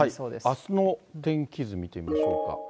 あすの天気図、見てみましょうか。